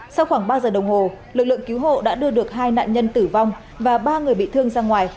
sau khoảng ba giờ đồng hồ lực lượng cứu hộ đã đưa được hai nạn nhân tử vong và ba người bị thương ra ngoài